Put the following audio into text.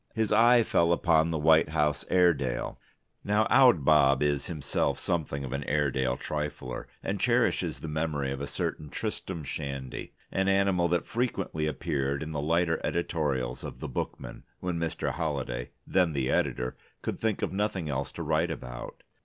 His eye fell upon the White House Airedale. Now Owd Bob is himself something of an Airedale trifler, and cherishes the memory of a certain Tristram Shandy, an animal that frequently appeared in the lighter editorials of the Bookman when Mr. Holliday (then the editor) could think of nothing else to write about.